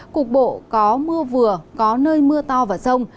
cục bộ có mưa vừa có nơi mưa to và rông